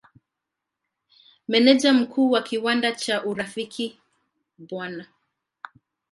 Meneja Mkuu wa kiwanda cha Urafiki Bw.